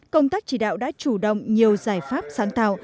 công tác chỉ đạo đã chủ động nhiều giải pháp sáng tạo